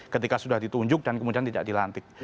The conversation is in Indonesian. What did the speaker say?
ketika sudah ditunjuk dan kemudian tidak dilantik